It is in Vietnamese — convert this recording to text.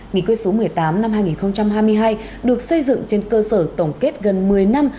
nghị quyết số một mươi tám năm hai nghìn hai mươi hai được xây dựng trên cơ sở tổng kết gần một mươi năm